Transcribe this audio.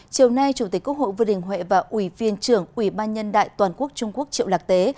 chiều nay chủ tịch quốc hội vương đình huệ và ủy viên trưởng ủy ban nhân đại toàn quốc trung quốc triệu lạc tế